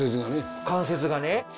関節がね。